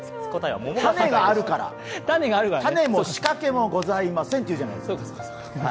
種があるから、種も仕掛けもございませんって言うじゃないですか。